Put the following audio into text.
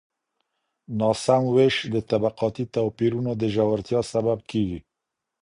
ناسم وېش د طبقاتي توپیرونو د ژورتیا سبب کیږي.